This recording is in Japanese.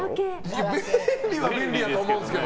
いや、便利は便利だと思うんですけど。